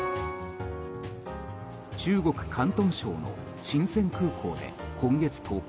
中国広東省のシンセン空港で今月１０日